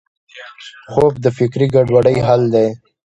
خوب د فکري ګډوډۍ حل دی